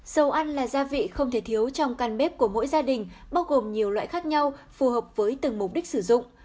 dầu ăn là gia vị không thể thiếu trong căn bếp của mỗi gia đình bao gồm nhiều loại khác nhau phù hợp với từng mục đích sử dụng